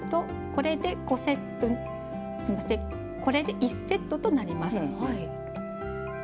これで１セットとなります。